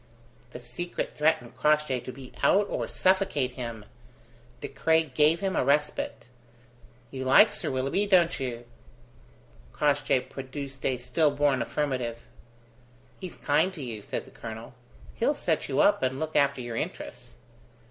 The secret threatened Crossjay to be out or suffocate him. De Craye gave him a respite. "You like Sir Willoughby, don't you?" Crossjay produced a still born affirmative. "He's kind to you," said the colonel; "he'll set you up and look after your interests."